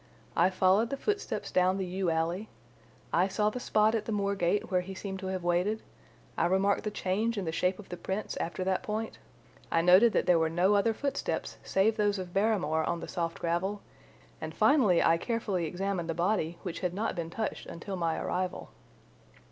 I followed the footsteps down the yew alley, I saw the spot at the moor gate where he seemed to have waited, I remarked the change in the shape of the prints after that point, I noted that there were no other footsteps save those of Barrymore on the soft gravel, and finally I carefully examined the body, which had not been touched until my arrival.